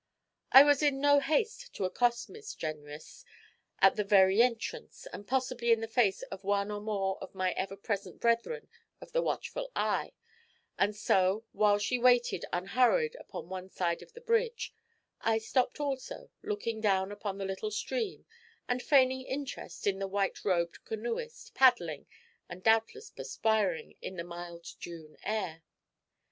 I was in no haste to accost Miss Jenrys at the very entrance, and possibly in the face of one or more of my ever present brethren of the watchful eye, and so, while she waited unhurried upon one side of the bridge, I stopped also, looking down upon the little stream and feigning interest in the white robed canoeist paddling, and doubtless perspiring, in the mild June air.